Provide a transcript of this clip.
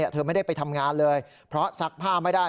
เธอไม่ได้ไปทำงานเลยเพราะซักผ้าไม่ได้